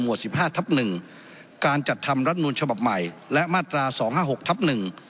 สิบห้าทับหนึ่งการจัดทำรัฐมนูลฉบับใหม่และมาตราสองห้าหกทับหนึ่ง